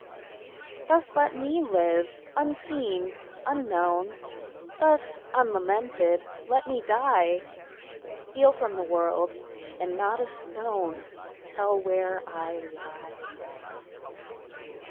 Thus let me live, unseen, unknown; Thus unlamented let me die; Steal from the world, and not a stone Tell where I lie.